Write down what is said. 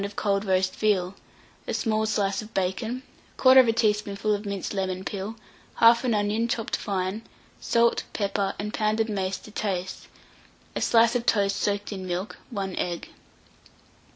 of cold roast veal, a small slice of bacon, 1/4 teaspoonful of minced lemon peel, 1/2 onion chopped fine, salt, pepper, and pounded mace to taste, a slice of toast soaked in milk, 1 egg.